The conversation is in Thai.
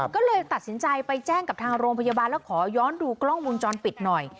ก็เลยตัดสินใจไปแจ้งกับทางโรงพยาบาลแล้วขอย้อนดูกล้องวงจรปิดหน่อย